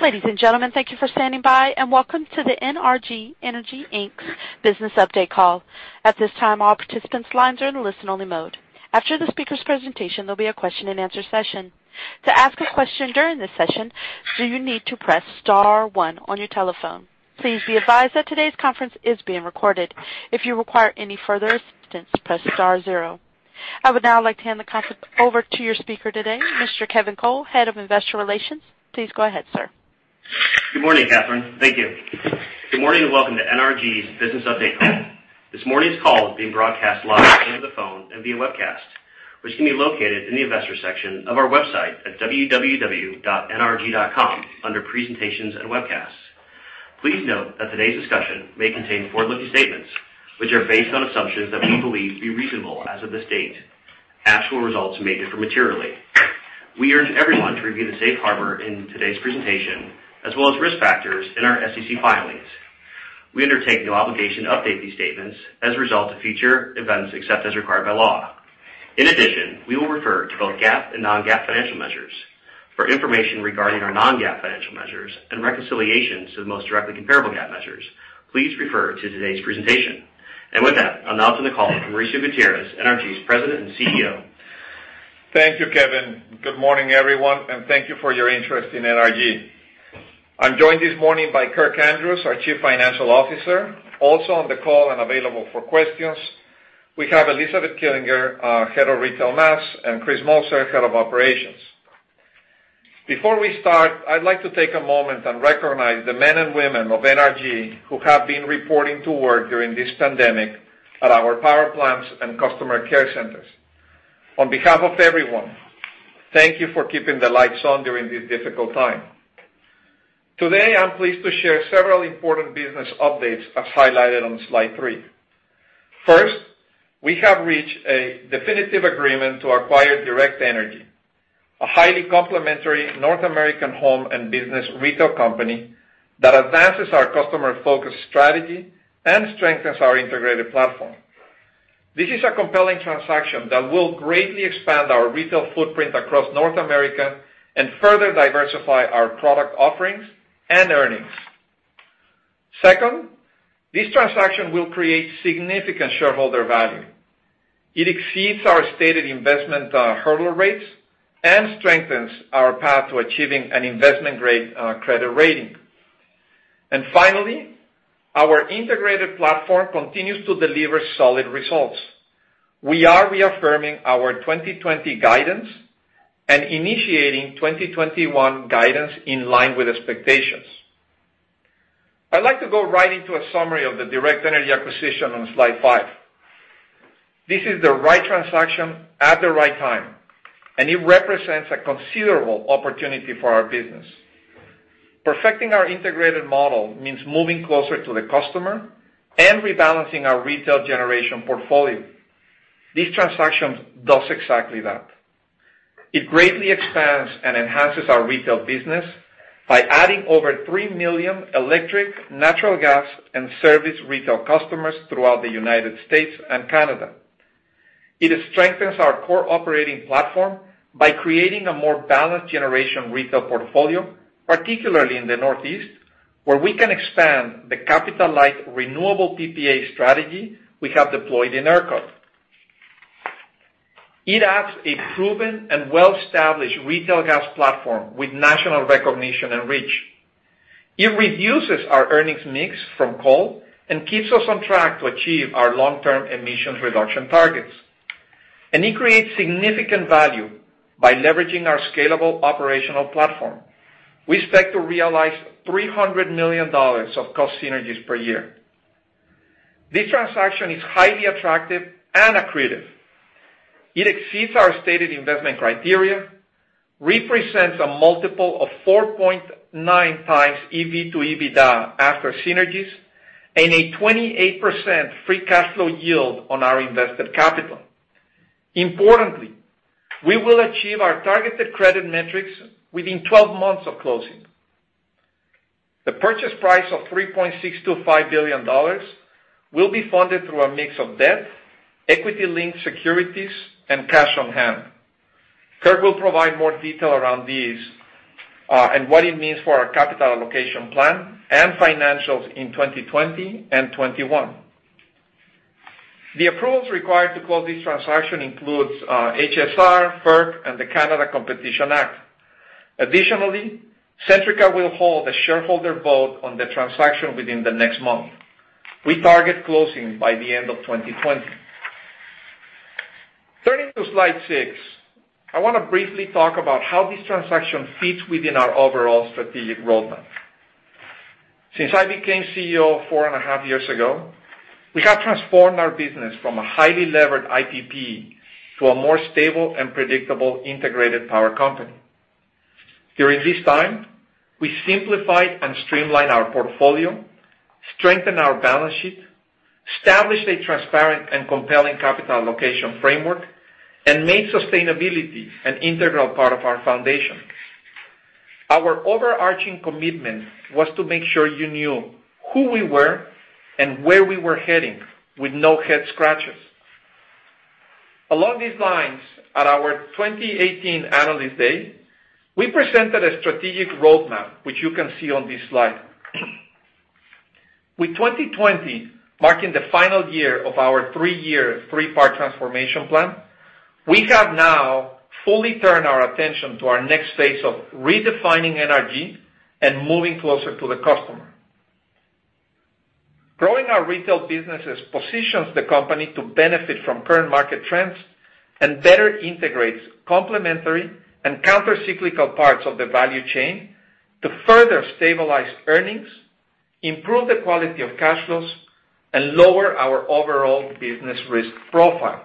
Ladies and gentlemen, thank you for standing by, and welcome to the NRG Energy Inc.'s Business Update Call. At this time, all participants' lines are in listen only mode. After the speaker's presentation, there'll be a question-and-answer session. To ask a question during this session, you need to press star one on your telephone. Please be advised that today's conference is being recorded. If you require any further assistance, press star zero. I would now like to hand the conference over to your speaker today, Mr. Kevin Cole, Head of Investor Relations. Please go ahead, sir. Good morning, Catherine. Thank you. Good morning, and welcome to NRG's Business Update Call. This morning's call is being broadcast live over the phone and via webcast, which can be located in the Investors section of our website at www.nrg.com, under Presentations and Webcasts. Please note that today's discussion may contain forward-looking statements which are based on assumptions that we believe to be reasonable as of this date. Actual results may differ materially. We urge everyone to review the safe harbor in today's presentation, as well as risk factors in our SEC filings. We undertake no obligation to update these statements as a result of future events, except as required by law. We will refer to both GAAP and non-GAAP financial measures. For information regarding our non-GAAP financial measures and reconciliations to the most directly comparable GAAP measures, please refer to today's presentation. With that, I'll now turn the call to Mauricio Gutierrez, NRG's President and CEO. Thank you, Kevin. Good morning, everyone, and thank you for your interest in NRG. I'm joined this morning by Kirk Andrews, our Chief Financial Officer. Also on the call and available for questions, we have Elizabeth Killinger, Head of Retail Mass, and Chris Moser, Head of Operations. Before we start, I'd like to take a moment and recognize the men and women of NRG who have been reporting to work during this pandemic at our power plants and customer care centers. On behalf of everyone, thank you for keeping the lights on during this difficult time. Today, I'm pleased to share several important business updates, as highlighted on Slide three. First, we have reached a definitive agreement to acquire Direct Energy, a highly complementary North American home and business retail company that advances our customer-focused strategy and strengthens our integrated platform. This is a compelling transaction that will greatly expand our retail footprint across North America and further diversify our product offerings and earnings. Second, this transaction will create significant shareholder value. It exceeds our stated investment hurdle rates and strengthens our path to achieving an an investment-grade credit rating. Finally, our integrated platform continues to deliver solid results. We are reaffirming our 2020 guidance and initiating 2021 guidance in line with expectations. I'd like to go right into a summary of the Direct Energy acquisition on Slide five. This is the right transaction at the right time, and it represents a considerable opportunity for our business. Perfecting our integrated model means moving closer to the customer and rebalancing our retail generation portfolio. This transaction does exactly that. It greatly expands and enhances our retail business by adding over 3 million electric, natural gas, and service retail customers throughout the United States and Canada. It strengthens our core operating platform by creating a more balanced generation retail portfolio, particularly in the Northeast, where we can expand the capital-light, renewable PPA strategy we have deployed in ERCOT. It adds a proven and well-established retail gas platform with national recognition and reach. It reduces our earnings mix from coal and keeps us on track to achieve our long-term emissions reduction targets. It creates significant value by leveraging our scalable operational platform. We expect to realize $300 million of cost synergies per year. This transaction is highly attractive and accretive. It exceeds our stated investment criteria, represents a multiple of 4.9 times EV to EBITDA after synergies, and a 28% free cash flow yield on our invested capital. We will achieve our targeted credit metrics within 12 months of closing. The purchase price of $3.625 billion will be funded through a mix of debt, equity-linked securities, and cash on hand. Kirk will provide more detail around these, and what it means for our capital allocation plan and financials in 2020 and 2021. The approvals required to close this transaction includes HSR, FERC, and the Canada Competition Act. Additionally, Centrica will hold a shareholder vote on the transaction within the next month. We target closing by the end of 2020. Turning to Slide six, I want to briefly talk about how this transaction fits within our overall strategic roadmap. Since I became CEO four and a half years ago, we have transformed our business from a highly levered IPP to a more stable and predictable integrated power company. During this time, we simplified and streamlined our portfolio, strengthened our balance sheet, established a transparent and compelling capital allocation framework, and made sustainability an integral part of our foundation. Our overarching commitment was to make sure you knew who we were and where we were heading with no head scratches. Along these lines, at our 2018 Analyst Day, we presented a strategic roadmap, which you can see on this slide. With 2020 marking the final year of our three-year, three-part transformation plan, we have now fully turned our attention to our next phase of redefining NRG and moving closer to the customer. Growing our retail businesses positions the company to benefit from current market trends, and better integrates complementary and counter-cyclical parts of the value chain to further stabilize earnings, improve the quality of cash flows, and lower our overall business risk profile.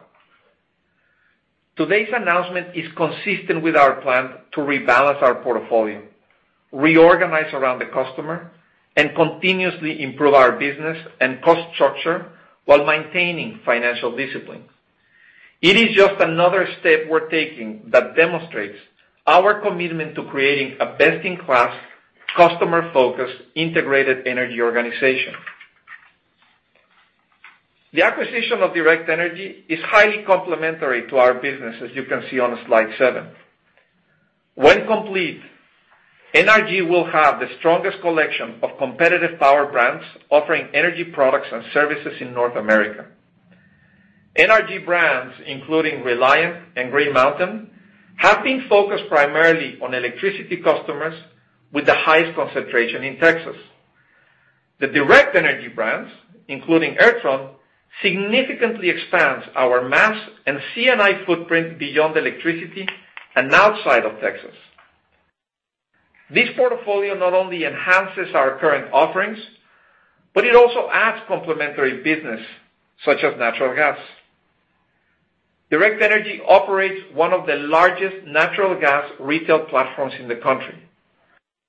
Today's announcement is consistent with our plan to rebalance our portfolio, reorganize around the customer, and continuously improve our business and cost structure while maintaining financial discipline. It is just another step we're taking that demonstrates our commitment to creating a best-in-class, customer-focused, integrated energy organization. The acquisition of Direct Energy is highly complementary to our business, as you can see on Slide seven. When complete, NRG will have the strongest collection of competitive power brands offering energy products and services in North America. NRG brands, including Reliant and Green Mountain, have been focused primarily on electricity customers with the highest concentration in Texas. The Direct Energy brands, including Airtron, significantly expands our mass and C&I footprint beyond electricity and outside of Texas. This portfolio not only enhances our current offerings, but it also adds complementary business such as natural gas. Direct Energy operates one of the largest natural gas retail platforms in the country,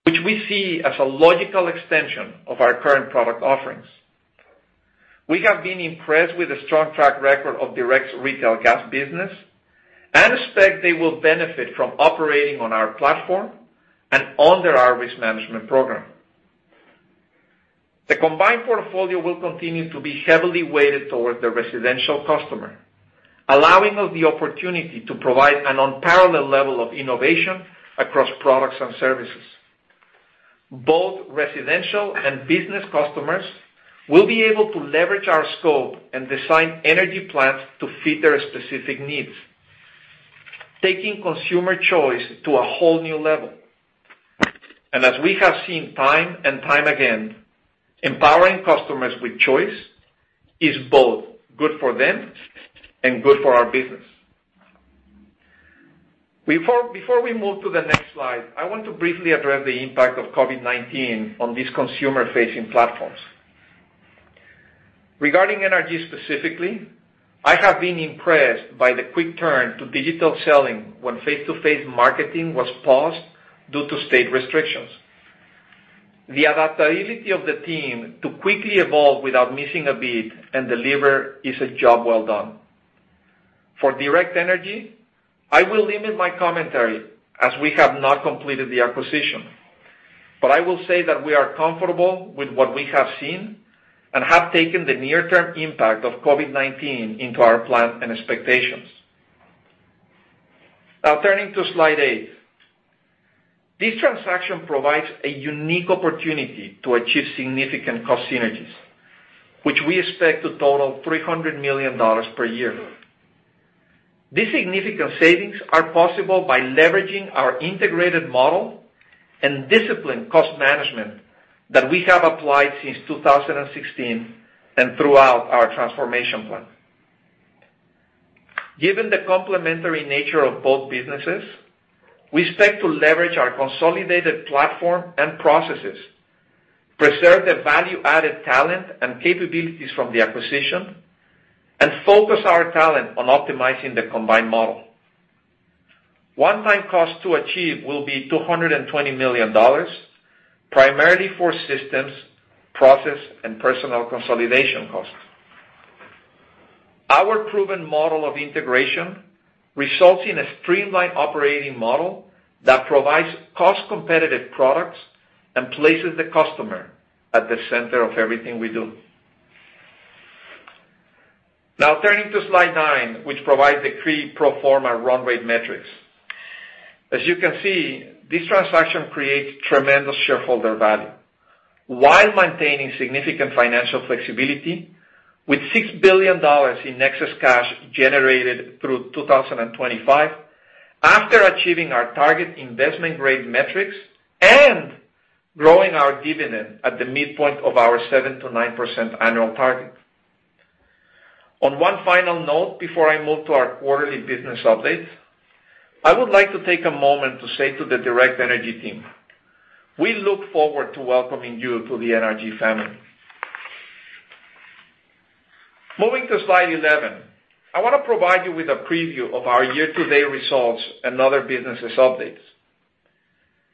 which we see as a logical extension of our current product offerings. We have been impressed with the strong track record of Direct's retail gas business and expect they will benefit from operating on our platform and under our risk management program. The combined portfolio will continue to be heavily weighted towards the residential customer, allowing us the opportunity to provide an unparalleled level of innovation across products and services. Both residential and business customers will be able to leverage our scope and design energy plans to fit their specific needs, taking consumer choice to a whole new level. As we have seen time and time again, empowering customers with choice is both good for them and good for our business. Before we move to the next slide, I want to briefly address the impact of COVID-19 on these consumer-facing platforms. Regarding NRG specifically, I have been impressed by the quick turn to digital selling when face-to-face marketing was paused due to state restrictions. The adaptability of the team to quickly evolve without missing a beat and deliver is a job well done. For Direct Energy, I will limit my commentary, as we have not completed the acquisition. I will say that we are comfortable with what we have seen and have taken the near-term impact of COVID-19 into our plan and expectations. Now turning to Slide eight. This transaction provides a unique opportunity to achieve significant cost synergies, which we expect to total $300 million per year. These significant savings are possible by leveraging our integrated model and disciplined cost management that we have applied since 2016 and throughout our transformation plan. Given the complementary nature of both businesses, we expect to leverage our consolidated platform and processes, preserve the value-added talent and capabilities from the acquisition, and focus our talent on optimizing the combined model. One-time cost to achieve will be $220 million, primarily for systems, process, and personnel consolidation costs. Our proven model of integration results in a streamlined operating model that provides cost-competitive products and places the customer at the center of everything we do. Now turning to Slide nine, which provides the three pro forma run rate metrics. As you can see, this transaction creates tremendous shareholder value while maintaining significant financial flexibility with $6 billion in excess cash generated through 2025 after achieving our target investment-grade metrics and growing our dividend at the midpoint of our 7%-9% annual target. On one final note before I move to our quarterly business updates, I would like to take a moment to say to the Direct Energy team, we look forward to welcoming you to the NRG family. Moving to Slide 11. I want to provide you with a preview of our year-to-date results and other businesses updates.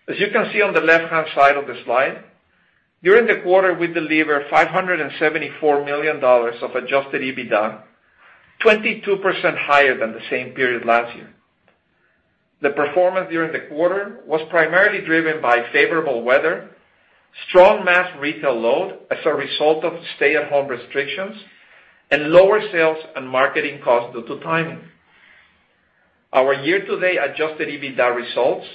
As you can see on the left-hand side of the slide, during the quarter, we delivered $574 million of adjusted EBITDA, 22% higher than the same period last year. The performance during the quarter was primarily driven by favorable weather, strong mass retail load as a result of stay-at-home restrictions, and lower sales and marketing costs due to timing. Our year-to-date adjusted EBITDA results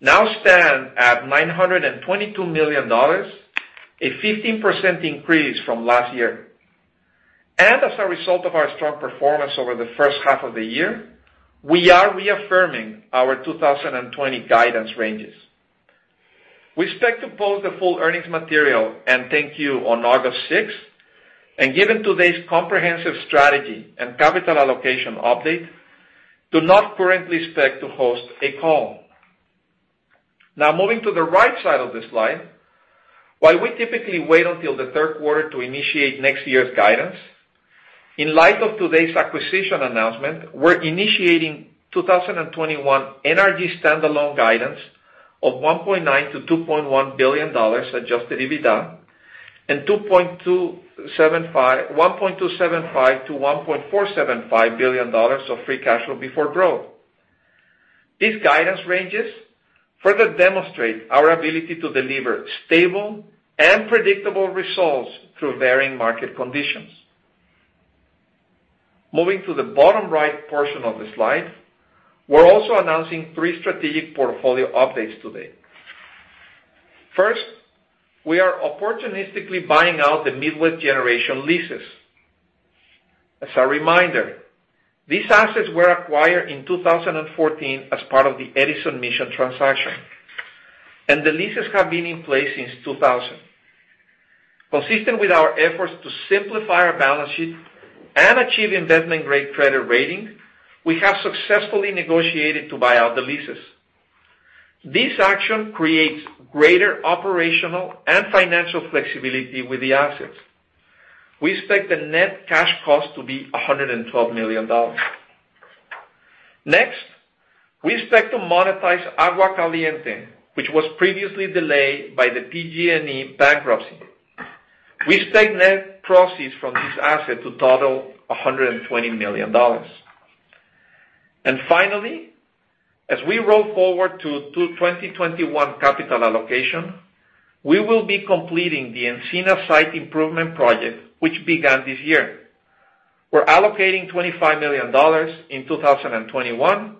now stand at $922 million, a 15% increase from last year. As a result of our strong performance over the first half of the year, we are reaffirming our 2020 guidance ranges. We expect to post the full earnings material and thank you on August sixth. Given today's comprehensive strategy and capital allocation update, do not currently expect to host a call. Moving to the right side of this slide, while we typically wait until the third quarter to initiate next year's guidance, in light of today's acquisition announcement, we're initiating 2021 NRG standalone guidance of $1.9 billion-$2.1 billion adjusted EBITDA and $1.275 billion-$1.475 billion of free cash flow before growth. These guidance ranges further demonstrate our ability to deliver stable and predictable results through varying market conditions. Moving to the bottom right portion of the slide, we're also announcing three strategic portfolio updates today. First, we are opportunistically buying out the Midwest Generation leases. As a reminder, these assets were acquired in 2014 as part of the Edison Mission transaction, and the leases have been in place since 2000. Consistent with our efforts to simplify our balance sheet and achieve investment-grade credit rating, we have successfully negotiated to buy out the leases. This action creates greater operational and financial flexibility with the assets. We expect the net cash cost to be $112 million. Next, we expect to monetize Agua Caliente, which was previously delayed by the PG&E bankruptcy. We expect net proceeds from this asset to total $120 million. Finally, as we roll forward to 2021 capital allocation, we will be completing the Encina site improvement project, which began this year. We're allocating $25 million in 2021,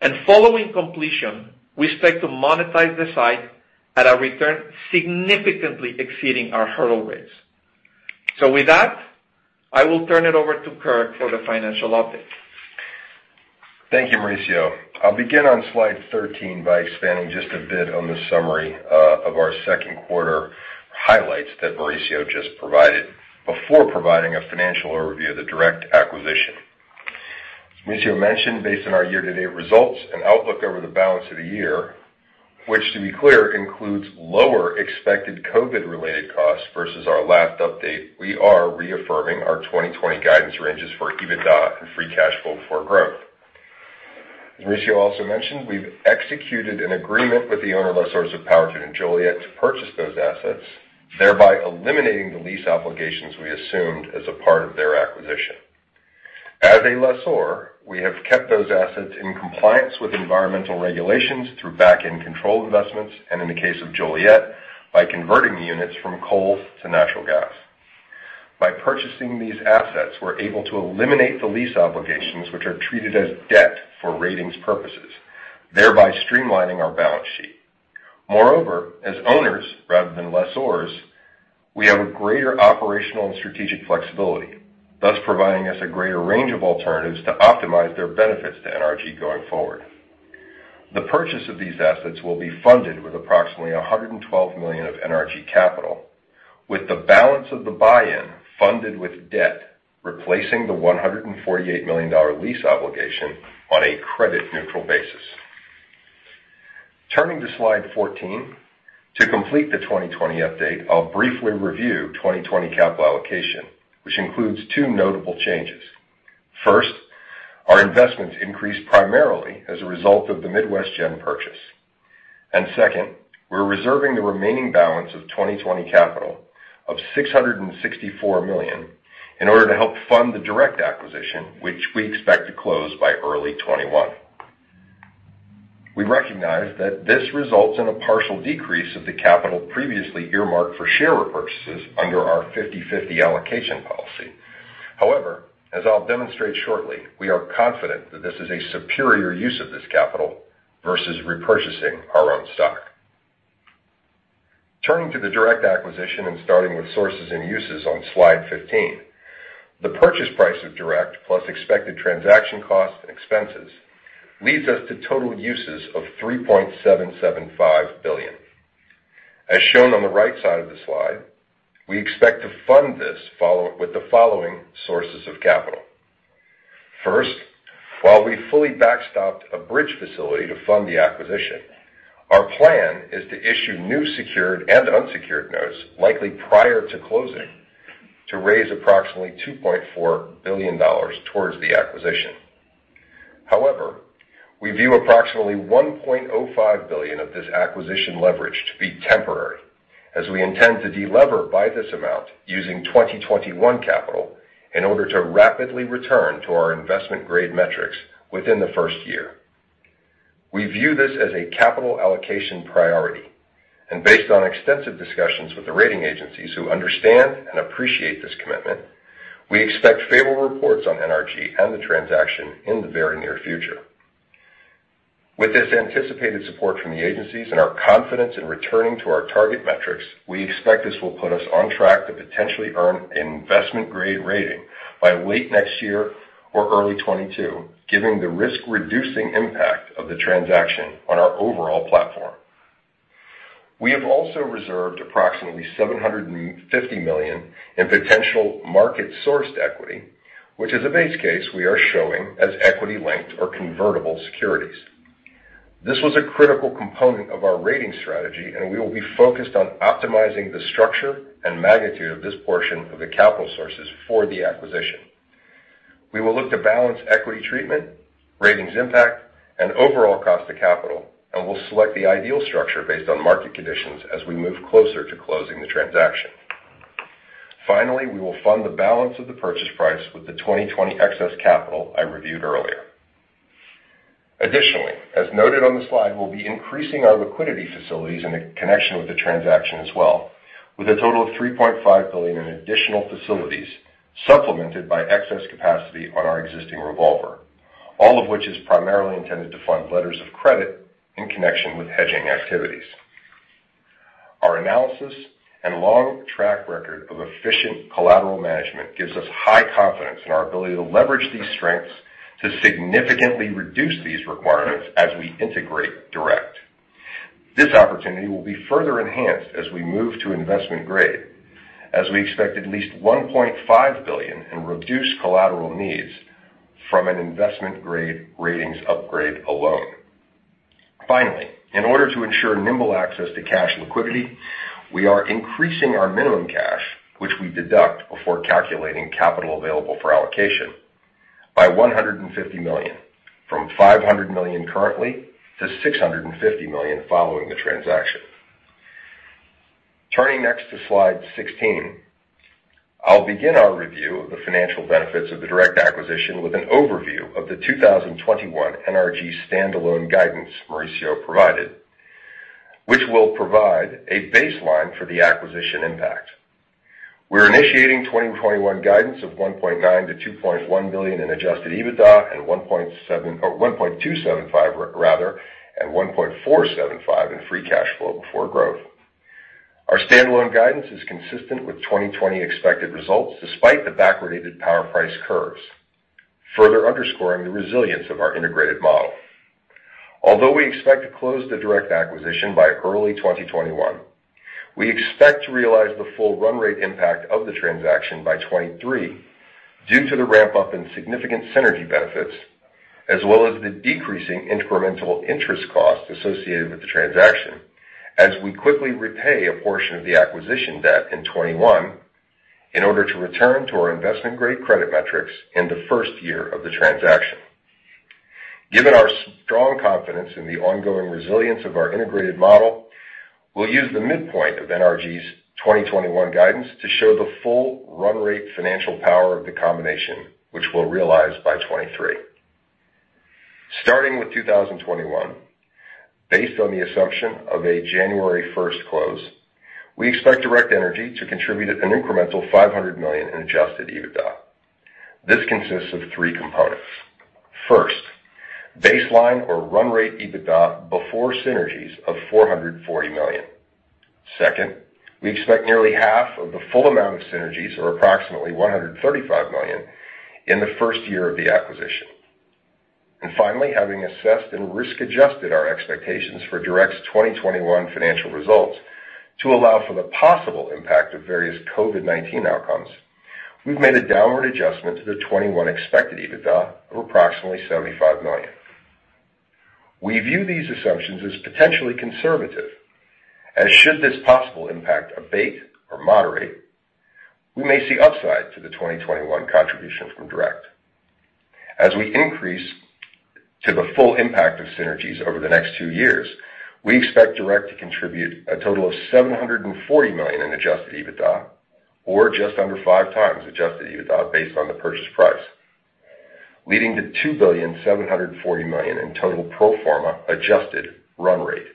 and following completion, we expect to monetize the site at a return significantly exceeding our hurdle rates. With that, I will turn it over to Kirk for the financial update. Thank you, Mauricio. I'll begin on Slide 13 by expanding just a bit on the summary of our second quarter highlights that Mauricio just provided before providing a financial overview of the Direct acquisition. Mauricio mentioned, based on our year-to-date results and outlook over the balance of the year, which, to be clear, includes lower expected COVID-related costs versus our last update, we are reaffirming our 2020 guidance ranges for EBITDA and free cash flow before growth. Mauricio also mentioned we've executed an agreement with the owner lessors of Powerton and Joliet to purchase those assets, thereby eliminating the lease obligations we assumed as a part of their acquisition. As a lessor, we have kept those assets in compliance with environmental regulations through back-end control investments, and in the case of Joliet, by converting the units from coal to natural gas. By purchasing these assets, we're able to eliminate the lease obligations, which are treated as debt for ratings purposes, thereby streamlining our balance sheet. Moreover, as owners rather than lessors, we have a greater operational and strategic flexibility, thus providing us a greater range of alternatives to optimize their benefits to NRG going forward. The purchase of these assets will be funded with approximately $112 million of NRG capital, with the balance of the buy-in funded with debt, replacing the $148 million lease obligation on a credit-neutral basis. Turning to Slide 14. To complete the 2020 update, I'll briefly review 2020 capital allocation, which includes two notable changes. First, our investments increased primarily as a result of the Midwest Gen purchase. Second, we're reserving the remaining balance of 2020 capital of $664 million in order to help fund the Direct acquisition, which we expect to close by early 2021. We recognize that this results in a partial decrease of the capital previously earmarked for share repurchases under our 50/50 allocation policy. However, as I'll demonstrate shortly, we are confident that this is a superior use of this capital versus repurchasing our own stock. Turning to the Direct acquisition and starting with sources and uses on Slide 15. The purchase price of Direct, plus expected transaction costs and expenses, leads us to total uses of $3.775 billion. As shown on the right side of the slide, we expect to fund this with the following sources of capital. First, while we fully backstopped a bridge facility to fund the acquisition, our plan is to issue new secured and unsecured notes, likely prior to closing, to raise approximately $2.4 billion towards the acquisition. We view approximately $1.05 billion of this acquisition leverage to be temporary. As we intend to delever by this amount using 2021 capital in order to rapidly return to our investment-grade metrics within the first year. We view this as a capital allocation priority, and based on extensive discussions with the rating agencies who understand and appreciate this commitment, we expect favorable reports on NRG and the transaction in the very near future. With this anticipated support from the agencies and our confidence in returning to our target metrics, we expect this will put us on track to potentially earn investment-grade rating by late next year or early 2022, given the risk-reducing impact of the transaction on our overall platform. We have also reserved approximately $750 million in potential market-sourced equity, which is a base case we are showing as equity-linked or convertible securities. This was a critical component of our rating strategy, and we will be focused on optimizing the structure and magnitude of this portion of the capital sources for the acquisition. We will look to balance equity treatment, ratings impact, and overall cost of capital, and we'll select the ideal structure based on market conditions as we move closer to closing the transaction. Finally, we will fund the balance of the purchase price with the 2020 excess capital I reviewed earlier. Additionally, as noted on the slide, we'll be increasing our liquidity facilities in connection with the transaction as well, with a total of $3.5 billion in additional facilities, supplemented by excess capacity on our existing revolver, all of which is primarily intended to fund letters of credit in connection with hedging activities. Our analysis and long track record of efficient collateral management gives us high confidence in our ability to leverage these strengths to significantly reduce these requirements as we integrate Direct. This opportunity will be further enhanced as we move to investment-grade, as we expect at least $1.5 billion in reduced collateral needs from an investment-grade ratings upgrade alone. Finally, in order to ensure nimble access to cash and liquidity, we are increasing our minimum cash, which we deduct before calculating capital available for allocation, by $150 million, from $500 million currently to $650 million following the transaction. Turning next to Slide 16. I'll begin our review of the financial benefits of the Direct acquisition with an overview of the 2021 NRG standalone guidance Mauricio provided, which will provide a baseline for the acquisition impact. We're initiating 2021 guidance of $1.9 billion-$2.1 billion in adjusted EBITDA and $1.275 billion, rather, and $1.475 billion in free cash flow before growth. Our standalone guidance is consistent with 2020 expected results despite the backwardated power price curves, further underscoring the resilience of our integrated model. Although we expect to close the Direct acquisition by early 2021, we expect to realize the full run rate impact of the transaction by 2023 due to the ramp up in significant synergy benefits as well as the decreasing incremental interest costs associated with the transaction as we quickly repay a portion of the acquisition debt in 2021 in order to return to our investment-grade credit metrics in the first year of the transaction. Given our strong confidence in the ongoing resilience of our integrated model, we'll use the midpoint of NRG's 2021 guidance to show the full run-rate financial power of the combination, which we'll realize by 2023. Starting with 2021, based on the assumption of a January 1st close, we expect Direct Energy to contribute an incremental $500 million in adjusted EBITDA. This consists of three components. First, baseline or run-rate EBITDA before synergies of $440 million. Second, we expect nearly half of the full amount of synergies, or approximately $135 million, in the first year of the acquisition. Finally, having assessed and risk-adjusted our expectations for Direct's 2021 financial results to allow for the possible impact of various COVID-19 outcomes, we've made a downward adjustment to the 2021 expected EBITDA of approximately $75 million. We view these assumptions as potentially conservative, as should this possible impact abate or moderate, we may see upside to the 2021 contribution from Direct. As we increase to the full impact of synergies over the next two years, we expect Direct to contribute a total of $740 million in adjusted EBITDA, or just under five times adjusted EBITDA based on the purchase price, leading to $2.74 billion in total pro forma adjusted run-rate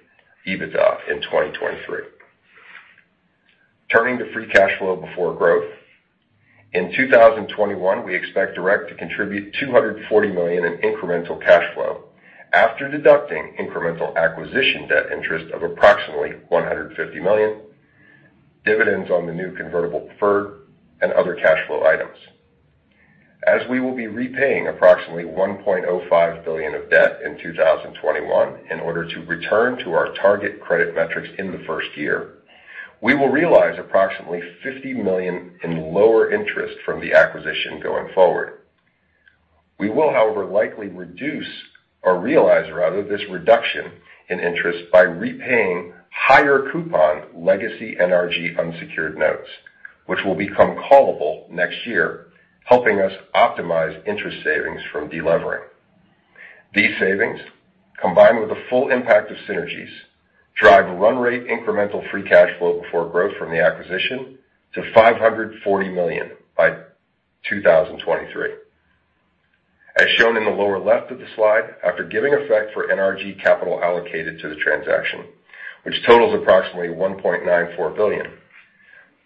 EBITDA in 2023. Turning to free cash flow before growth. In 2021, we expect Direct to contribute $240 million in incremental cash flow after deducting incremental acquisition debt interest of approximately $150 million, dividends on the new convertible preferred, and other cash flow items. As we will be repaying approximately $1.05 billion of debt in 2021 in order to return to our target credit metrics in the first year, we will realize approximately $50 million in lower interest from the acquisition going forward. We will, however, likely reduce or realize, rather, this reduction in interest by repaying higher coupon legacy NRG unsecured notes, which will become callable next year, helping us optimize interest savings from delevering. These savings, combined with the full impact of synergies, drive run rate incremental free cash flow before growth from the acquisition to $540 million by 2023. As shown in the lower left of the slide, after giving effect for NRG capital allocated to the transaction, which totals approximately $1.94 billion,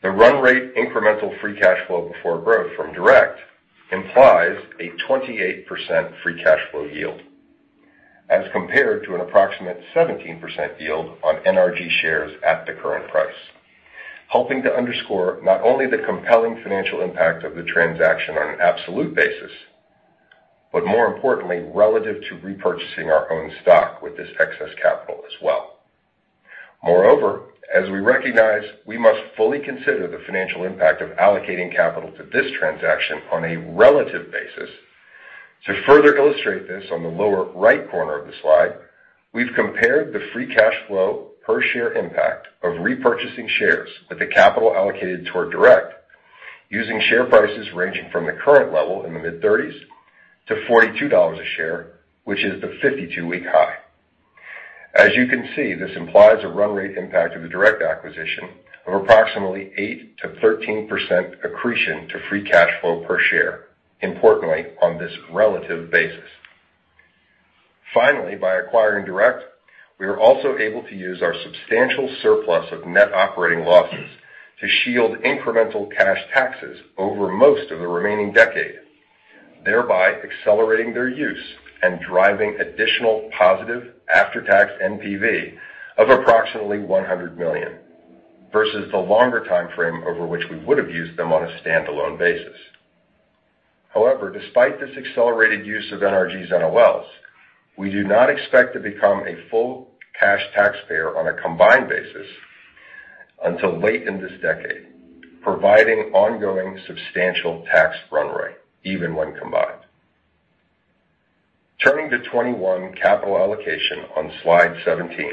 the run rate incremental free cash flow before growth from Direct implies a 28% free cash flow yield as compared to an approximate 17% yield on NRG shares at the current price, helping to underscore not only the compelling financial impact of the transaction on an absolute basis, but more importantly relative to repurchasing our own stock with this excess capital as well. Moreover, as we recognize, we must fully consider the financial impact of allocating capital to this transaction on a relative basis. To further illustrate this, on the lower right corner of the slide, we've compared the free cash flow per share impact of repurchasing shares with the capital allocated toward Direct using share prices ranging from the current level in the mid-30s to $42 a share, which is the 52-week high. As you can see, this implies a run rate impact of the Direct acquisition of approximately 8% to 13% accretion to free cash flow per share, importantly, on this relative basis. By acquiring Direct, we are also able to use our substantial surplus of net operating losses to shield incremental cash taxes over most of the remaining decade, thereby accelerating their use and driving additional positive after-tax NPV of approximately $100 million, versus the longer timeframe over which we would have used them on a standalone basis. However, despite this accelerated use of NRG's NOLs, we do not expect to become a full cash taxpayer on a combined basis until late in this decade, providing ongoing substantial tax run rate even when combined. Turning to 2021 capital allocation on Slide 17.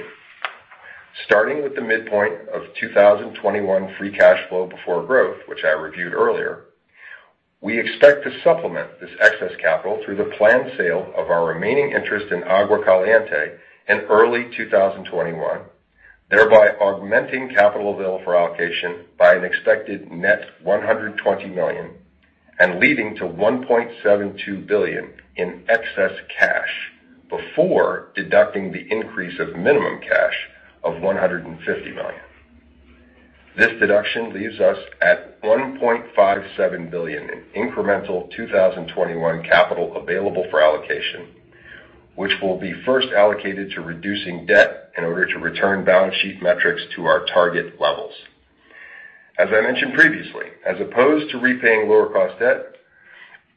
Starting with the midpoint of 2021 free cash flow before growth, which I reviewed earlier, we expect to supplement this excess capital through the planned sale of our remaining interest in Agua Caliente in early 2021, thereby augmenting capital available for allocation by an expected net $120 million and leading to $1.72 billion in excess cash before deducting the increase of minimum cash of $150 million. This deduction leaves us at $1.57 billion in incremental 2021 capital available for allocation, which will be first allocated to reducing debt in order to return balance sheet metrics to our target levels. As I mentioned previously, as opposed to repaying lower-cost debt,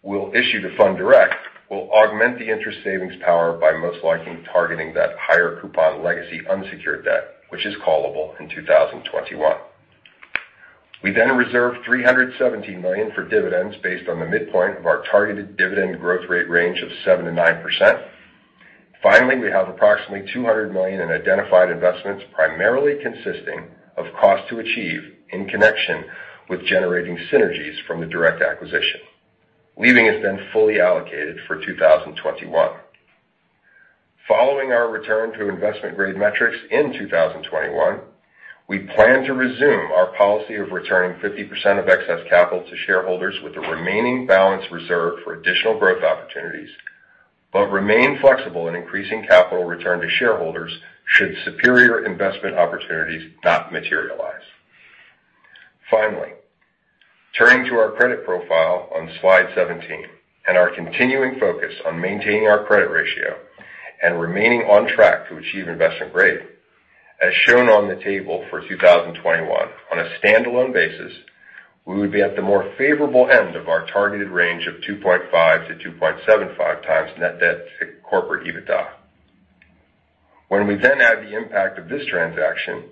we'll issue to fund Direct, we'll augment the interest savings power by most likely targeting that higher coupon legacy unsecured debt, which is callable in 2021. We reserve $317 million for dividends based on the midpoint of our targeted dividend growth rate range of 7%-9%. We have approximately $200 million in identified investments, primarily consisting of cost to achieve in connection with generating synergies from the Direct acquisition, leaving us then fully allocated for 2021. Following our return to investment-grade metrics in 2021, we plan to resume our policy of returning 50% of excess capital to shareholders with the remaining balance reserved for additional growth opportunities, but remain flexible in increasing capital return to shareholders should superior investment opportunities not materialize. Turning to our credit profile on Slide 17 and our continuing focus on maintaining our credit ratio and remaining on track to achieve investment-grade. As shown on the table for 2021, on a standalone basis, we would be at the more favorable end of our targeted range of 2.5 to 2.75 times net debt to corporate EBITDA. When we add the impact of this transaction,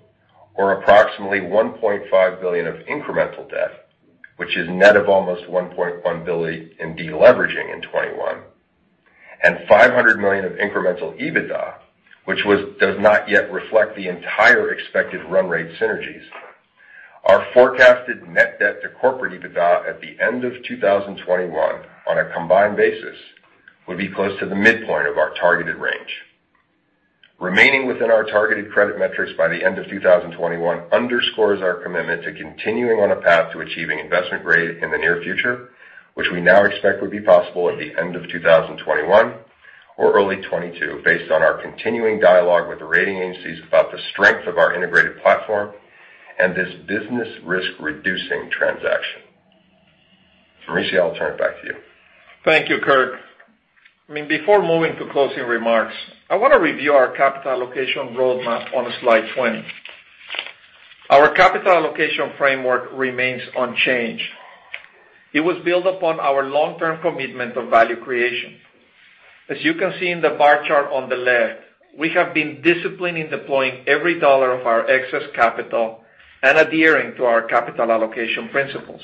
or approximately $1.5 billion of incremental debt, which is net of almost $1.1 billion in deleveraging in 2021, and $500 million of incremental EBITDA, which does not yet reflect the entire expected run rate synergies, our forecasted net debt to corporate EBITDA at the end of 2021 on a combined basis would be close to the midpoint of our targeted range. Remaining within our targeted credit metrics by the end of 2021 underscores our commitment to continuing on a path to achieving investment-grade in the near future, which we now expect would be possible at the end of 2021 or early 2022, based on our continuing dialogue with the rating agencies about the strength of our integrated platform and this business risk-reducing transaction. Mauricio, I'll turn it back to you. Thank you, Kirk. Before moving to closing remarks, I want to review our capital allocation roadmap on Slide 20. Our capital allocation framework remains unchanged. It was built upon our long-term commitment of value creation. As you can see in the bar chart on the left, we have been disciplined in deploying every dollar of our excess capital and adhering to our capital allocation principles.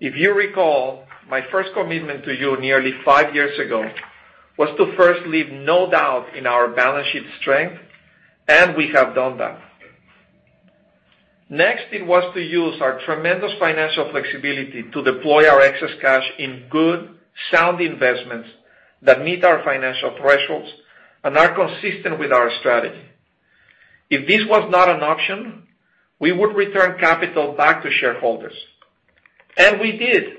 If you recall, my first commitment to you nearly five years ago was to first leave no doubt in our balance sheet strength, we have done that. Next, it was to use our tremendous financial flexibility to deploy our excess cash in good, sound investments that meet our financial thresholds and are consistent with our strategy. If this was not an option, we would return capital back to shareholders. We did,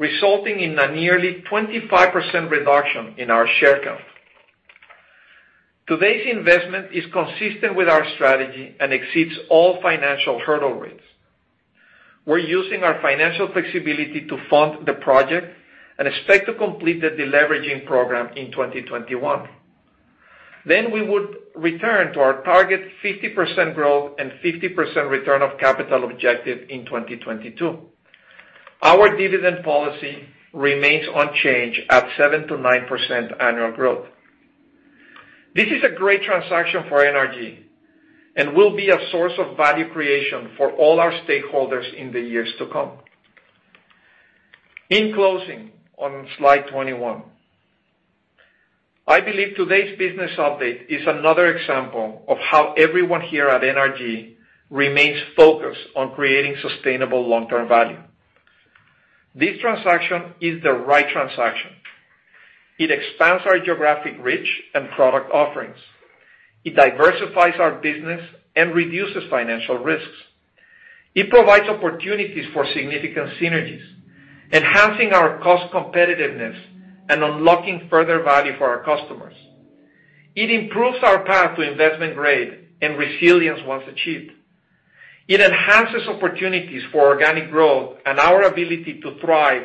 resulting in a nearly 25% reduction in our share count. Today's investment is consistent with our strategy and exceeds all financial hurdle rates. We're using our financial flexibility to fund the project and expect to complete the de-leveraging program in 2021. We would return to our target 50% growth and 50% return of capital objective in 2022. Our dividend policy remains unchanged at 7%-9% annual growth. This is a great transaction for NRG and will be a source of value creation for all our stakeholders in the years to come. In closing, on Slide 21, I believe today's business update is another example of how everyone here at NRG remains focused on creating sustainable long-term value. This transaction is the right transaction. It expands our geographic reach and product offerings. It diversifies our business and reduces financial risks. It provides opportunities for significant synergies, enhancing our cost competitiveness, and unlocking further value for our customers. It improves our path to investment grade and resilience once achieved. It enhances opportunities for organic growth and our ability to thrive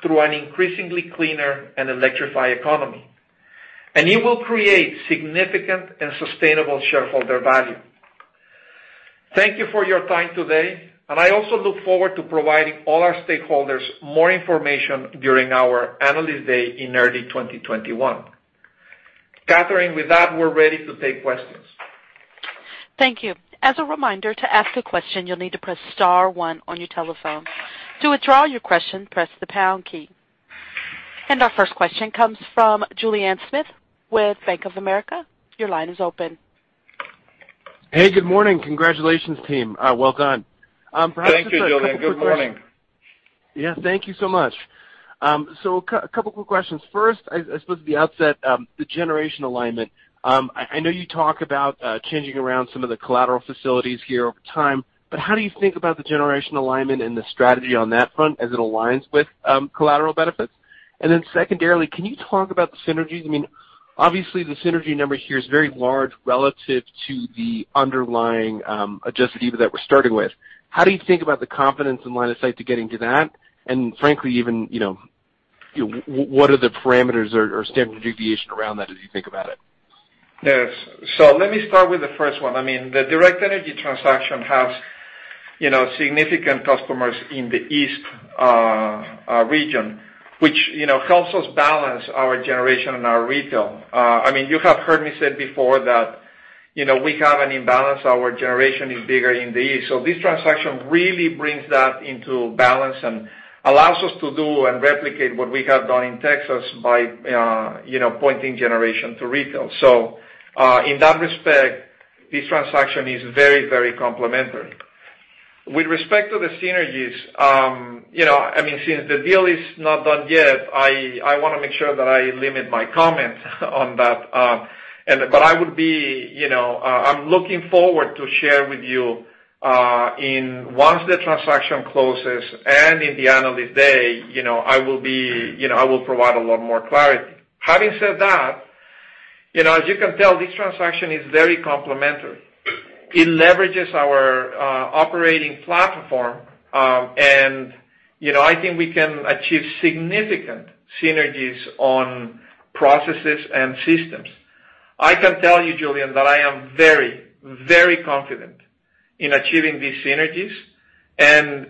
through an increasingly cleaner and electrified economy. It will create significant and sustainable shareholder value. Thank you for your time today, and I also look forward to providing all our stakeholders more information during our Analyst Day in early 2021. Catherine, with that, we're ready to take questions. Thank you. As a reminder, to ask a question, you'll need to press star one on your telephone. To withdraw your question, press the pound key. Our first question comes from Julien Smith with Bank of America. Your line is open. Hey, good morning. Congratulations team. Well done. Thank you, Julien. Good morning. Yeah, thank you so much. A couple quick questions. First, I suppose the outset, the generation alignment. I know you talk about changing around some of the collateral facilities here over time, but how do you think about the generation alignment and the strategy on that front as it aligns with collateral benefits? Then secondarily, can you talk about the synergies? Obviously, the synergy number here is very large relative to the underlying adjusted EBITDA that we're starting with. How do you think about the confidence and line of sight to getting to that? Frankly, even, what are the parameters or standard deviation around that as you think about it? Yes. Let me start with the first one. The Direct Energy transaction has significant customers in the East region, which helps us balance our generation and our retail. You have heard me say before that we have an imbalance. Our generation is bigger in the East. This transaction really brings that into balance and allows us to do and replicate what we have done in Texas by pointing generation to retail. In that respect, this transaction is very complementary. With respect to the synergies, since the deal is not done yet, I want to make sure that I limit my comments on that. I'm looking forward to share with you once the transaction closes, and in the Analyst Day, I will provide a lot more clarity. Having said that, as you can tell, this transaction is very complementary. It leverages our operating platform, and I think we can achieve significant synergies on processes and systems. I can tell you, Julien, that I am very confident in achieving these synergies. As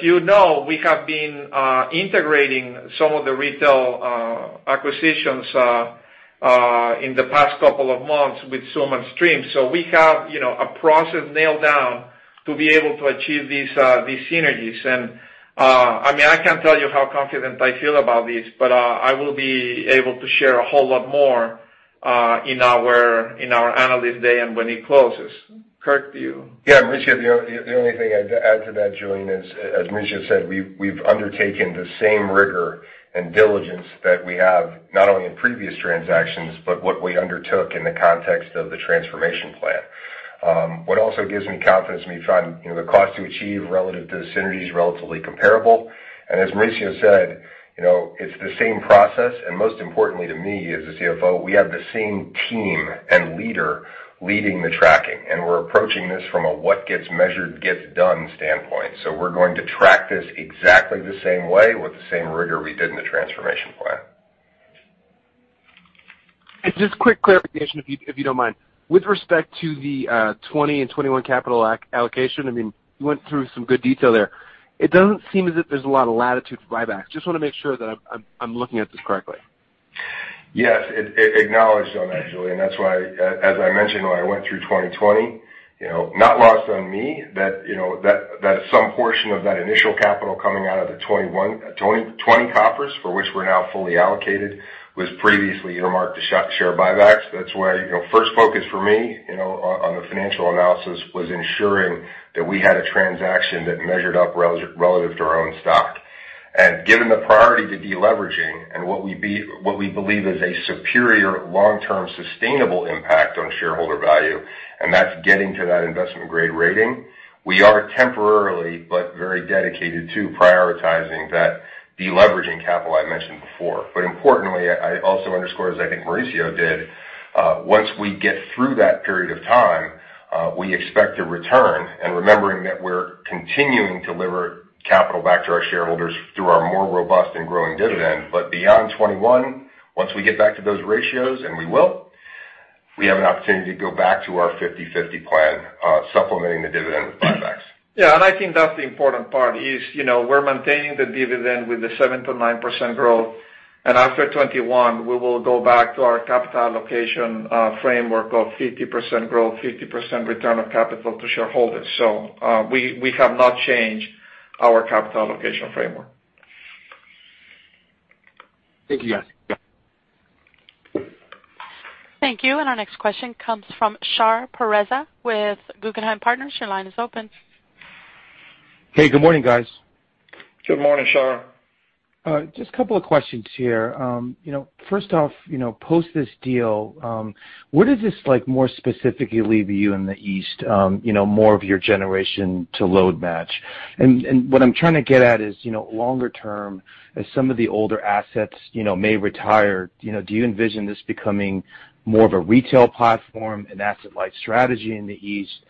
you know, we have been integrating some of the retail acquisitions in the past couple of months with Xoom and Stream. We have a process nailed down to be able to achieve these synergies. I can't tell you how confident I feel about this, but I will be able to share a whole lot more in our Analyst Day and when it closes. Kirk, to you. Yeah, Mauricio, the only thing I'd add to that, Julien, is, as Mauricio said, we've undertaken the same rigor and diligence that we have not only in previous transactions, but what we undertook in the context of the transformation plan. What also gives me confidence, we find the cost to achieve relative to the synergies relatively comparable. As Mauricio said, it's the same process, and most importantly to me as the CFO, we have the same team and leader leading the tracking, and we're approaching this from a what-gets-measured-gets-done standpoint. We're going to track this exactly the same way with the same rigor we did in the transformation plan. Just quick clarification if you don't mind. With respect to the 2020 and 2021 capital allocation, you went through some good detail there. It doesn't seem as if there's a lot of latitude for buybacks. Just want to make sure that I'm looking at this correctly. Yes. Acknowledged on that, Julien. That's why, as I mentioned when I went through 2020, not lost on me that some portion of that initial capital coming out of the 2020 coffers, for which we're now fully allocated, was previously earmarked to share buybacks. That's why first focus for me on the financial analysis was ensuring that we had a transaction that measured up relative to our own stock. Given the priority to de-leveraging and what we believe is a superior long-term sustainable impact on shareholder value, and that's getting to that investment-grade rating. We are temporarily, but very dedicated to prioritizing that de-leveraging capital I mentioned before. Importantly, I also underscore, as I think Mauricio did, once we get through that period of time, we expect to return and remembering that we're continuing to lever capital back to our shareholders through our more robust and growing dividend. Beyond 2021, once we get back to those ratios, and we will, we have an opportunity to go back to our 50/50 plan, supplementing the dividend with buybacks. Yeah. I think that's the important part is we're maintaining the dividend with the 7%-9% growth. After 2021, we will go back to our capital allocation framework of 50% growth, 50% return of capital to shareholders. We have not changed our capital allocation framework. Thank you, guys. Yeah. Thank you. Our next question comes from Shar Pourreza with Guggenheim Partners. Your line is open. Hey, good morning, guys. Good morning, Shar. Just a couple of questions here. First off, post this deal, what does this more specifically leave you in the East, more of your generation to load match? What I'm trying to get at is, longer term, as some of the older assets may retire, do you envision this becoming more of a retail platform and asset-light strategy in the East?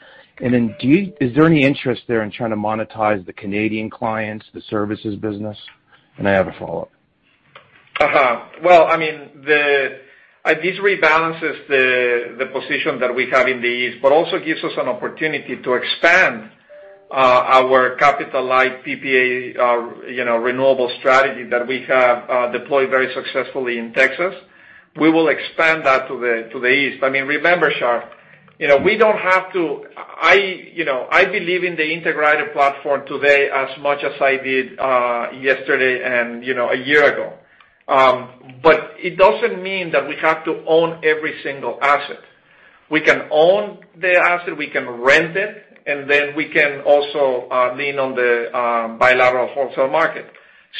Is there any interest there in trying to monetize the Canadian clients, the services business? I have a follow-up. Well, this rebalances the position that we have in the East, also gives us an opportunity to expand our capital-light PPA renewable strategy that we have deployed very successfully in Texas. We will expand that to the East. Remember, Shar, I believe in the integrated platform today as much as I did yesterday and a year ago. It doesn't mean that we have to own every single asset. We can own the asset, we can rent it, then we can also lean on the bilateral wholesale market.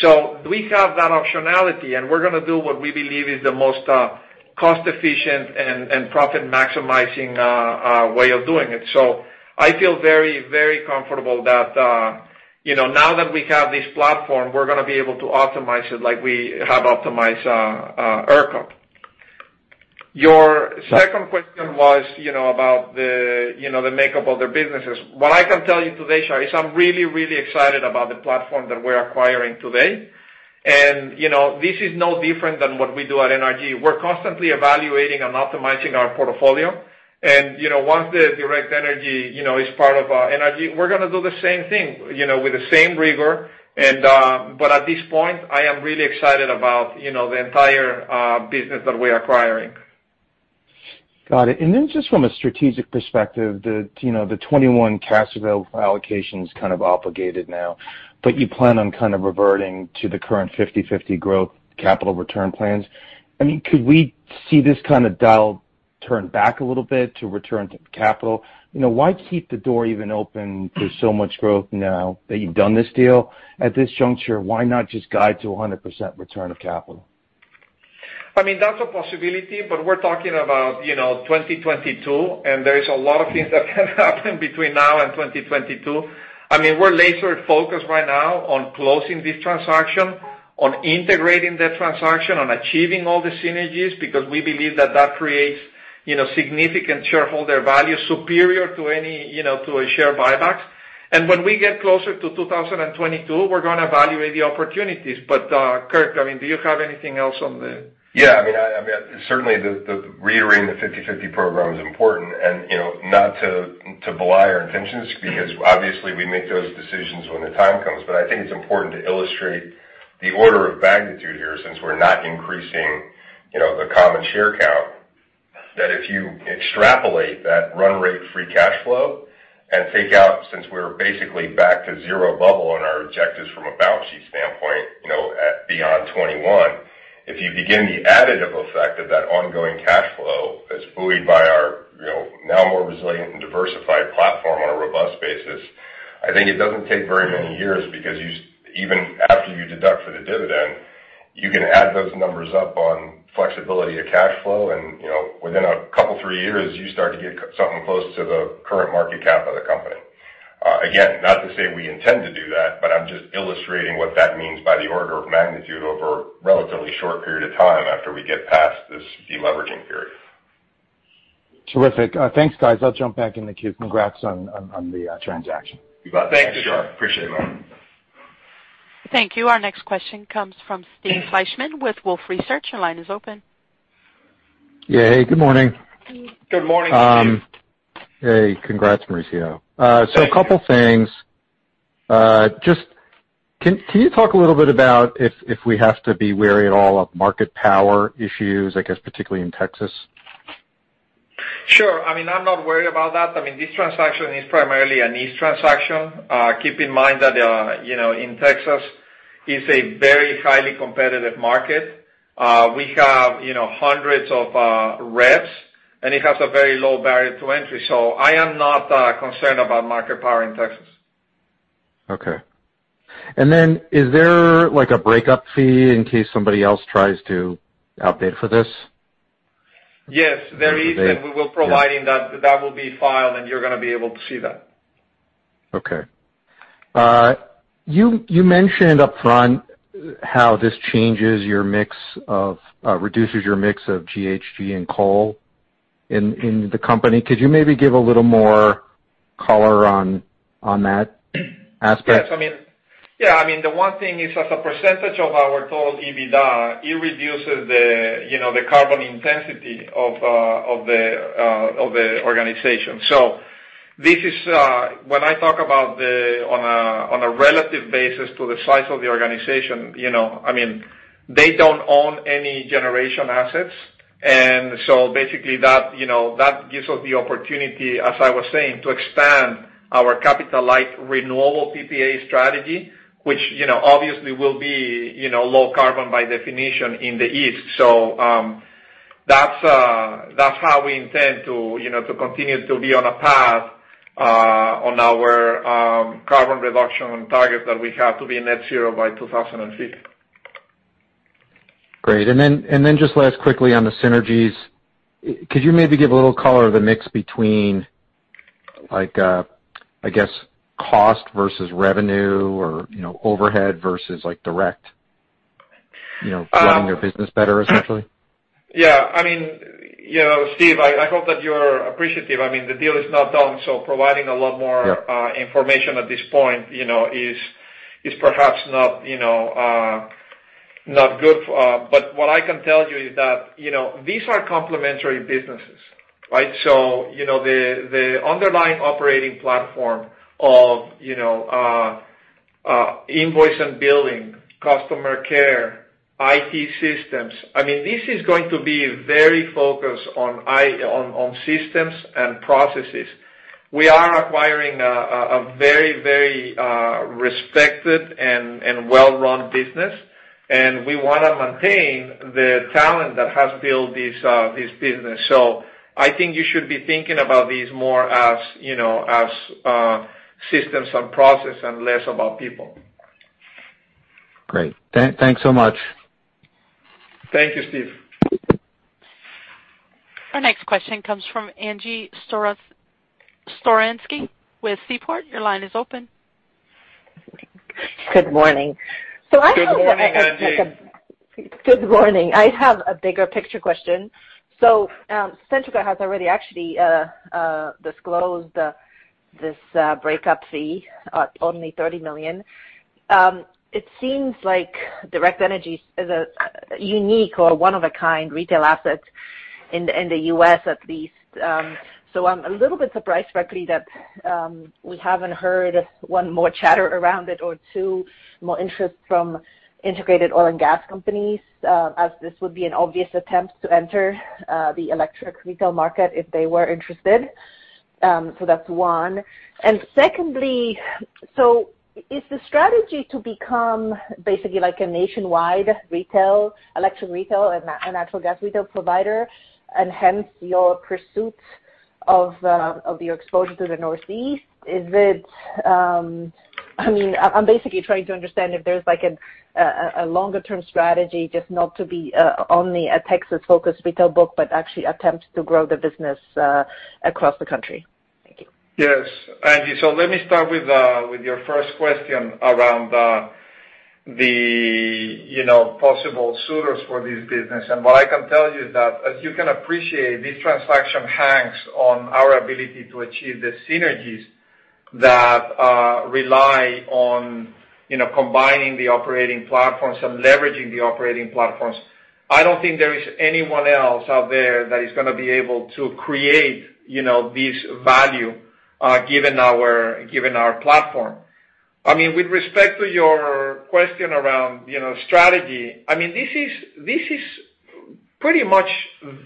We have that optionality, we're going to do what we believe is the most cost-efficient and profit-maximizing way of doing it. I feel very, very comfortable that now that we have this platform, we're going to be able to optimize it like we have optimized ERCOT. Your second question was about the makeup of their businesses. What I can tell you today, Shar, is I'm really excited about the platform that we're acquiring today. This is no different than what we do at NRG. We're constantly evaluating and optimizing our portfolio. Once Direct Energy is part of NRG, we're going to do the same thing with the same rigor. At this point, I am really excited about the entire business that we're acquiring. Got it. Then just from a strategic perspective, the 2021 cash available for allocation is kind of obligated now, but you plan on kind of reverting to the current 50/50 growth capital return plans. Could we see this kind of dial turn back a little bit to return to capital? Why keep the door even open to so much growth now that you've done this deal? At this juncture, why not just guide to 100% return of capital? That's a possibility, but we're talking about 2022, and there is a lot of things that can happen between now and 2022. We're laser-focused right now on closing this transaction, on integrating that transaction, on achieving all the synergies, because we believe that that creates significant shareholder value superior to a share buybacks. When we get closer to 2022, we're going to evaluate the opportunities. Kirk, do you have anything else on the- Yeah. Certainly, the reiterating the 50/50 program is important and, not to belie our intentions, because obviously we make those decisions when the time comes, but I think it's important to illustrate the order of magnitude here, since we're not increasing the common share count. That if you extrapolate that run rate free cash flow and take out, since we're basically back to zero bubble on our objectives from a balance sheet standpoint beyond 2021, if you begin the additive effect of that ongoing cash flow as buoyed by our now more resilient and diversified platform on a robust basis, I think it doesn't take very many years because even after you deduct for the dividend, you can add those numbers up on flexibility of cash flow and within a couple, three years, you start to get something close to the current market cap of the company. Not to say we intend to do that, but I'm just illustrating what that means by the order of magnitude over a relatively short period of time after we get past this de-leveraging period. Terrific. Thanks, guys. I'll jump back in the queue. Congrats on the transaction. You bet. Thank you. Shar. Appreciate it, man. Thank you. Our next question comes from Steve Fleishman with Wolfe Research. Your line is open. Yeah. Hey, good morning. Good morning, Steve. Hey, congrats, Mauricio. Thank you. A couple things. Can you talk a little bit about if we have to be wary at all of market power issues, I guess particularly in Texas? Sure. I'm not worried about that. This transaction is primarily an East transaction. Keep in mind that in Texas it's a very highly competitive market. We have hundreds of REPs. It has a very low barrier to entry. I am not concerned about market power in Texas. Okay. Is there a breakup fee in case somebody else tries to outbid for this? Yes. There is, and we will providing that. That will be filed and you're going to be able to see that. Okay. You mentioned upfront how this reduces your mix of GHG and coal in the company. Could you maybe give a little more color on that aspect? Yes. The one thing is as a percentage of our total EBITDA, it reduces the carbon intensity of the organization. When I talk about on a relative basis to the size of the organization, they don't own any generation assets. Basically that gives us the opportunity, as I was saying, to expand our capital-light renewable PPA strategy, which obviously will be low carbon by definition in the East. That's how we intend to continue to be on a path on our carbon reduction target that we have to be net zero by 2050. Great. Just last quickly on the synergies. Could you maybe give a little color of the mix between, I guess, cost versus revenue or overhead versus direct, running their business better, essentially? Steve, I hope that you're appreciative. The deal is not done, so providing a lot more information at this point is perhaps not good. What I can tell you is that these are complementary businesses, right? The underlying operating platform of invoice and billing, customer care, IT systems. This is going to be very focused on systems and processes. We are acquiring a very respected and well-run business, and we want to maintain the talent that has built this business. I think you should be thinking about these more as systems and process and less about people. Great. Thanks so much. Thank you, Steve. Our next question comes from Angie Storozynski with Seaport. Your line is open. Good morning. Good morning, Angie. Good morning. I have a bigger picture question. Centrica has already actually disclosed this breakup fee at only $30 million. It seems like Direct Energy is a unique or one-of-a-kind retail asset in the U.S., at least. I'm a little bit surprised frankly that we haven't heard one more chatter around it or two more interest from integrated oil and gas companies, as this would be an obvious attempt to enter the electric retail market if they were interested. That's one. Secondly, is the strategy to become basically like a nationwide electric retail and natural gas retail provider, and hence your pursuit of your exposure to the Northeast? I'm basically trying to understand if there's a longer term strategy, just not to be only a Texas-focused retail book, but actually attempt to grow the business across the country. Thank you. Yes, Angie. Let me start with your first question around the possible suitors for this business. What I can tell you is that, as you can appreciate, this transaction hangs on our ability to achieve the synergies that rely on combining the operating platforms and leveraging the operating platforms. I don't think there is anyone else out there that is going to be able to create this value given our platform. With respect to your question around strategy, this is pretty much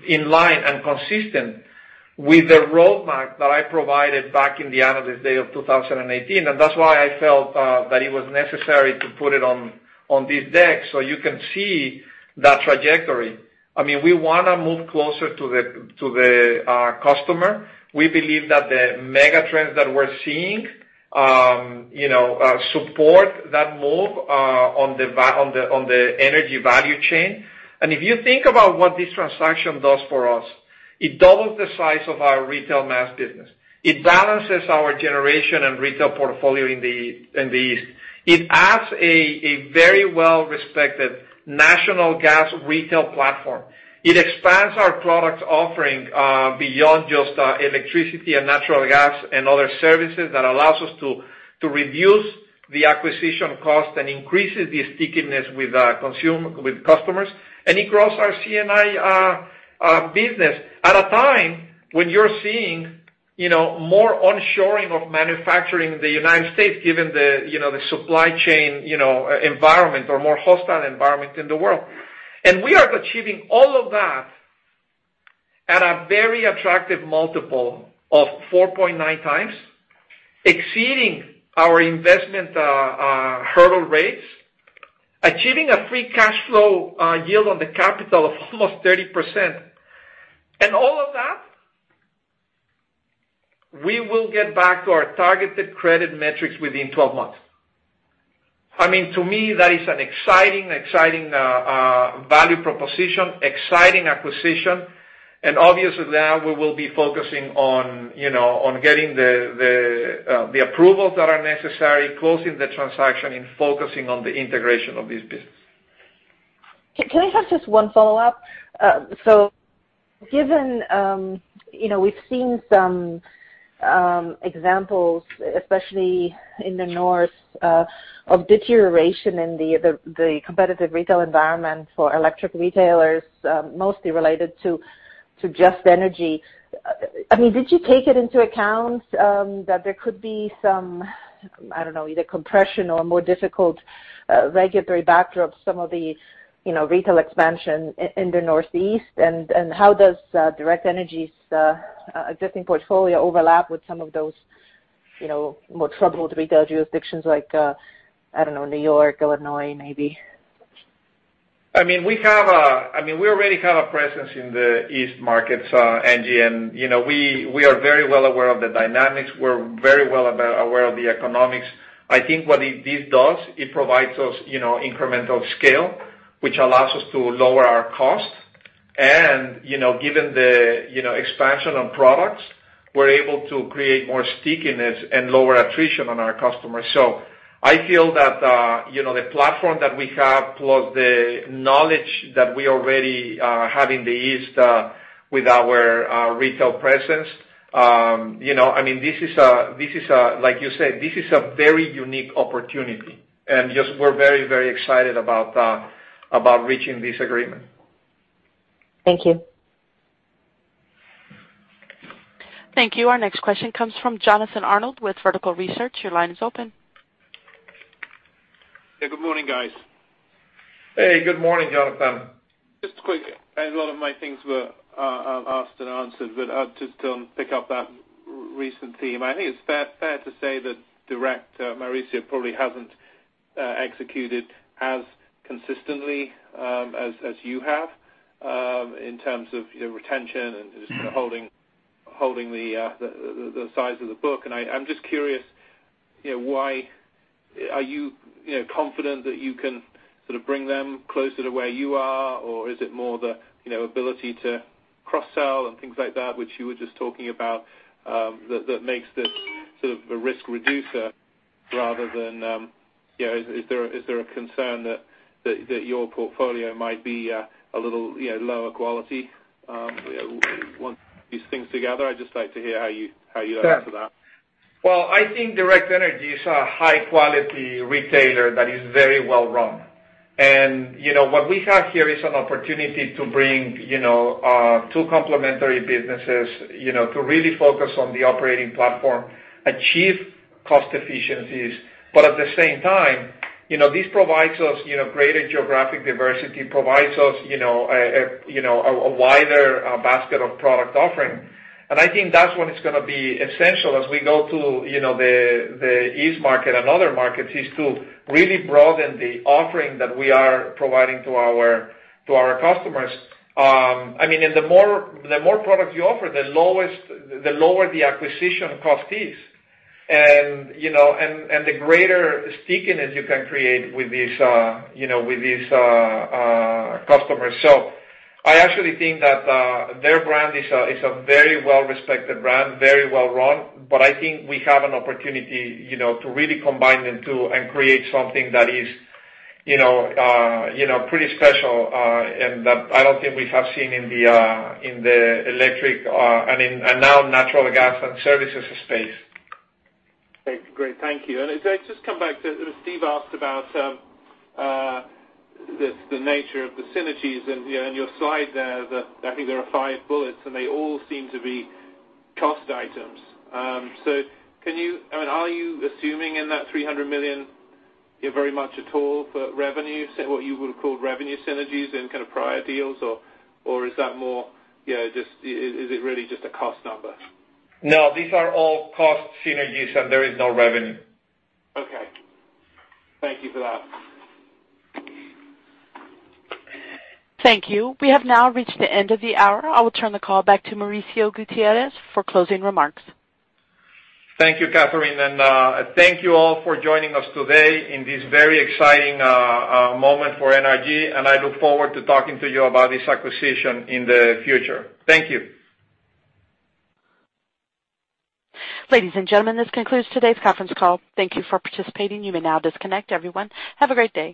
in line and consistent with the roadmap that I provided back in the analyst day of 2018, and that's why I felt that it was necessary to put it on this deck so you can see that trajectory. We want to move closer to the customer. We believe that the mega trends that we're seeing support that move on the energy value chain. If you think about what this transaction does for us, it doubles the size of our retail mass business. It balances our generation and retail portfolio in the East. It adds a very well-respected national gas retail platform. It expands our product offering beyond just electricity and natural gas and other services that allows us to reduce the acquisition cost and increases the stickiness with customers. It grows our C&I business at a time when you're seeing more onshoring of manufacturing in the United States given the supply chain environment or more hostile environment in the world. We are achieving all of that at a very attractive multiple of 4.9x, exceeding our investment hurdle rates. Achieving a free cash flow yield on the capital of almost 30%. All of that, we will get back to our targeted credit metrics within 12 months. To me, that is an exciting value proposition, exciting acquisition, and obviously now we will be focusing on getting the approvals that are necessary, closing the transaction, and focusing on the integration of this business. Can I have just one follow-up? Given we've seen some examples, especially in the north, of deterioration in the competitive retail environment for electric retailers, mostly related to Just Energy. Did you take it into account that there could be some, I don't know, either compression or more difficult regulatory backdrop, some of the retail expansion in the Northeast? How does Direct Energy's existing portfolio overlap with some of those more troubled retail jurisdictions like, I don't know, New York, Illinois, maybe? We already have a presence in the east markets, Angie, and we are very well aware of the dynamics. We're very well aware of the economics. I think what this does, it provides us incremental scale, which allows us to lower our costs. Given the expansion on products, we're able to create more stickiness and lower attrition on our customers. I feel that, the platform that we have, plus the knowledge that we already have in the east with our retail presence, like you said, this is a very unique opportunity. Just we're very excited about reaching this agreement. Thank you. Thank you. Our next question comes from Jonathan Arnold with Vertical Research. Your line is open. Hey, good morning, guys. Hey, good morning, Jonathan. Just quick, a lot of my things were asked and answered, but just to pick up that recent theme, I think it's fair to say that Direct, Mauricio, probably hasn't executed as consistently as you have in terms of retention and just holding the size of the book. I'm just curious, are you confident that you can bring them closer to where you are? Is it more the ability to cross-sell and things like that, which you were just talking about, that makes this a risk reducer rather than, is there a concern that your portfolio might be a little lower quality once these things together? I'd just like to hear how you answer that. Well, I think Direct Energy is a high-quality retailer that is very well-run. What we have here is an opportunity to bring two complementary businesses to really focus on the operating platform, achieve cost efficiencies, but at the same time, this provides us greater geographic diversity, provides us a wider basket of product offering. I think that's what is going to be essential as we go to the east market and other markets, is to really broaden the offering that we are providing to our customers. The more products you offer, the lower the acquisition cost is. The greater stickiness you can create with these customers. I actually think that their brand is a very well-respected brand, very well-run, but I think we have an opportunity to really combine the two and create something that is pretty special, and that I don't think we have seen in the electric, and now natural gas and services space. Great. Thank you. If I just come back to, Steve asked about the nature of the synergies and your slide there that I think there are five bullets and they all seem to be cost items. Are you assuming in that $300 million you're very much at all for revenue, say, what you would call revenue synergies in kind of prior deals? Or is it really just a cost number? No, these are all cost synergies, and there is no revenue. Okay. Thank you for that. Thank you. We have now reached the end of the hour. I will turn the call back to Mauricio Gutierrez for closing remarks. Thank you, Catherine, and thank you all for joining us today in this very exciting moment for NRG, and I look forward to talking to you about this acquisition in the future. Thank you. Ladies and gentlemen, this concludes today's conference call. Thank you for participating. You may now disconnect. Everyone, have a great day.